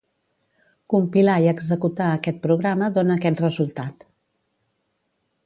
Compilar i executar aquest programa dona aquest resultat.